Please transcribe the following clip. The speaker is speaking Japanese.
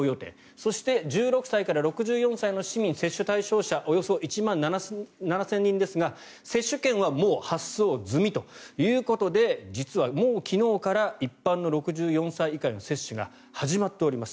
そして、１６歳から６４歳の市民接種対象者およそ１万７０００人ですが接種券はもう発送済みということで実はもう昨日から一般の６４歳以下にも始まっております。